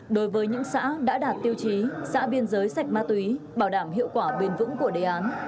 đối với những xã đã đạt tiêu chí xã biên giới sạch ma túy bảo đảm hiệu quả bền vững của đề án